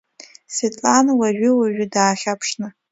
Светлана уажәы-уажәы даахьаԥшны…